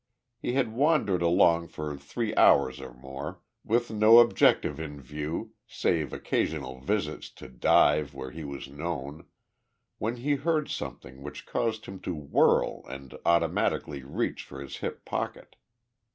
He had wandered along for three hours or more, with no objective in view save occasional visits to dives where he was known, when he heard something which caused him to whirl and automatically reach for his hip pocket.